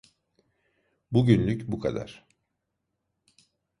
Bugünlük bu kadar.